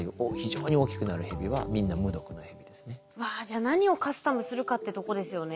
わじゃあ何をカスタムするかってとこですよね。